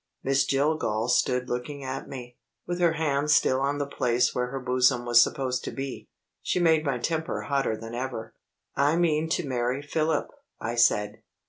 Miss Jillgall stood looking at me, with her hands still on the place where her bosom was supposed to be. She made my temper hotter than ever. "I mean to marry Philip," I said.